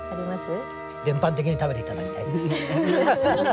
全般的に食べて頂きたいですよ。